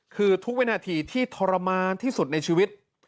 คือทุกวินาทีที่ทรมานที่สุดในชีวิต